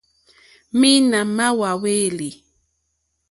Mǐīnā má hwàlêlì.